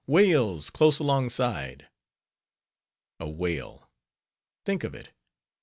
whales close alongside!"_ A whale! Think of it!